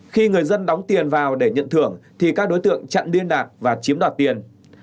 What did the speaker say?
khi người dân đóng tiền vào để nhận thưởng thì các đối tượng chặn liên lạc và chiếm đoạt tiền